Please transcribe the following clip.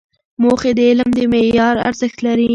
موخې د علم د معیار ارزښت لري.